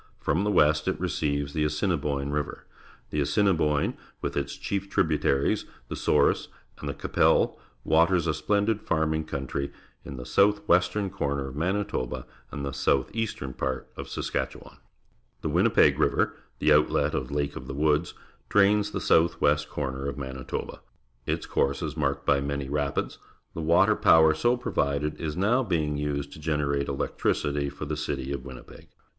From the west it receives t he Assiniboi n e River . The Assini boine, v^ith its chief tributaries, the Souris and .the QuLlfipeUej waters a splendid farming country in the south western corner of Manitoba and the south eastern part of Saskatchewan. The Win nipeg River, the outlet of Lake of the Woods, drains the south eastern corner of Manitoba. Its course is marked bj' many rapids. The water power so provided is now being used to generate electricitj' for the citj' of Winnipeg.